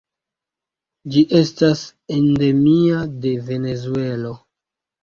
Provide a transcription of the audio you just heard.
Ĝi estas endemia de Venezuelo.